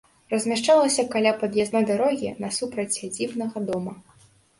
Размяшчалася каля пад'язной дарогі, насупраць сядзібнага дома.